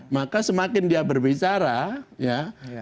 maka semakin dia berbicara ya kemudian akan menambah juga persoalan